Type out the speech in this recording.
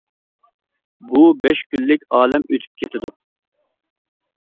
بۇ بەش كۈنلۈك ئالەم ئۆتۈپ كېتىدۇ.